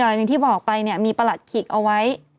อย่างที่บอกไปเนี่ยมีประหลัดขีกเอาไว้